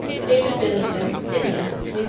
David Billington, Sydney, N. S.